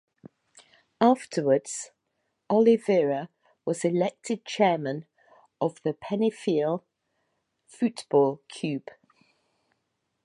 Afterwards, Oliveira was elected chairman of Penafiel Futebol Clube.